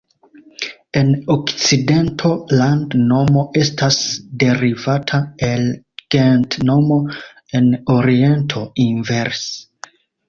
En okcidento landnomo estas derivata el gentnomo; en oriento inverse.